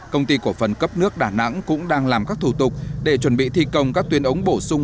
công ty cổ phần cấp nước đà nẵng cũng đang làm các thủ tục để chuẩn bị thi công các tuyên ống bổ sung